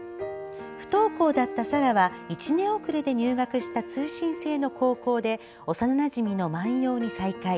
不登校だった沙羅は１年遅れで入学した通信制の高校で幼なじみの万葉に再会。